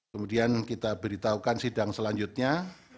kemudian kita beritahukan sidang selanjutnya